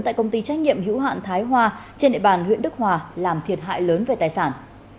tại công ty trách nhiệm hữu hạn thái hoa trên địa bàn huyện đức hòa làm thiệt hại lớn về tài sản